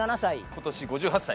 今年５８歳。